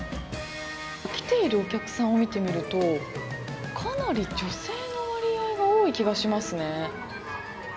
来ているお客さんを見てみるとかなり女性の割合が多い気がしますね。